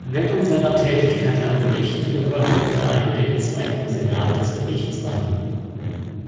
Während seiner Tätigkeit am Gericht gehörte Klein dem Zweiten Senat des Gerichts an.